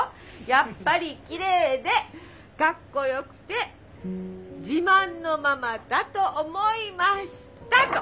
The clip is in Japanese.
「やっぱりきれいでかっこよくて自慢のママだと思いました」と。